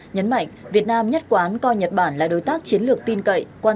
nhấn mạnh việt nam nhất quán coi nhật bản là đối tác chiến lược tin cậy